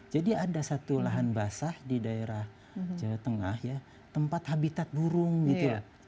jadi ada satu lahan basah di daerah jawa tengah ya tempat habitat burung gitu ya migran nah itu yang prioritas